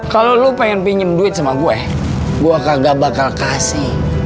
kalau lo pengen pinjam duit sama gue gue kagak bakal kasih